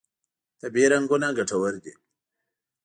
طبیعي رنګونه ګټور دي.